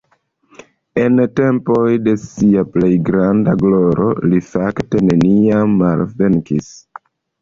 En tempoj de sia plej granda gloro li fakte neniam malvenkis.